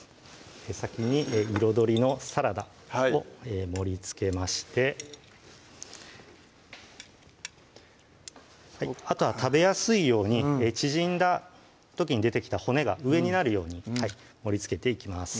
先に彩りのサラダを盛りつけましてあとは食べやすいように縮んだ時に出てきた骨が上になるように盛りつけていきます